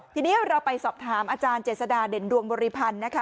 ทีนี้เราไปสอบถามอาจารย์เจษฎาเด่นดวงบริพันธ์นะคะ